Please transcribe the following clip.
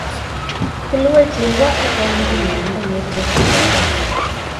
Kilue chego akeam kumyande ye kibe kipsengwet